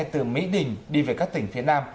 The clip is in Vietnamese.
từ mỹ đình đi về các tỉnh thế nam